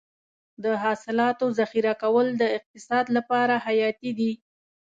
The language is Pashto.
د حاصلاتو ذخیره کول د اقتصاد لپاره حیاتي دي.